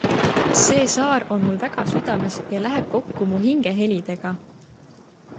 See saar on mul väga südames ja läheb kokku mu hingehelidega.